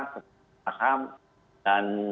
ke pertama ham dan